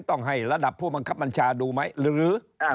ต้องให้ระดับผู้บังคับมัญชาดูไหมหรือหรืออ้าว